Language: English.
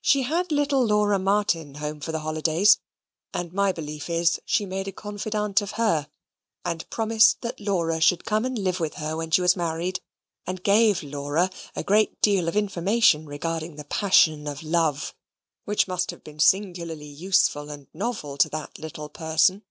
She had little Laura Martin home for the holidays; and my belief is, she made a confidante of her, and promised that Laura should come and live with her when she was married, and gave Laura a great deal of information regarding the passion of love, which must have been singularly useful and novel to that little person.